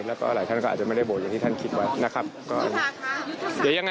และหลายคนอาจจะไม่ได้โหวตอย่างที่อาจจะแบบคนคิดว่า